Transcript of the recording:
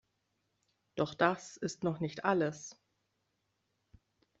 Doch das ist noch nicht alles.